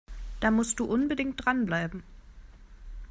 Da musst du unbedingt dranbleiben!